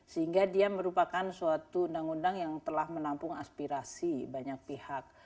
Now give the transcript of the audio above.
sehingga dia merupakan suatu undang undang yang telah menampung aspirasi banyak pihak